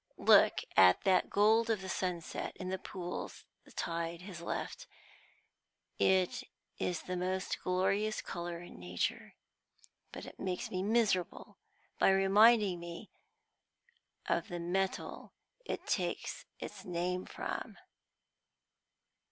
"Look at that gold of the sunset in the pools the tide has left. It is the most glorious colour in nature, but it makes me miserable by reminding me of the metal it takes its name from."